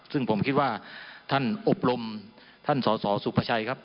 ซึ่งผมคิดว่าท่านอบรมท่านสอสอสุภาชัยครับ